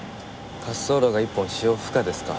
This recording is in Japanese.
滑走路が１本使用不可ですか。